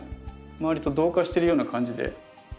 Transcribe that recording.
周りと同化してるような感じで。